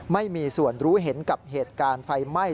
ไม่มีส่วนรู้เห็นกับเหตุการณ์ไฟไหม้